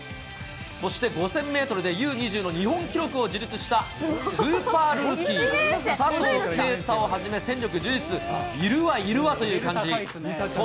そして５０００メートルでＵ２０の日本記録を樹立したスーパールーキー、佐藤圭汰をはじめ、戦力十分、いるわ、いるわという感じ。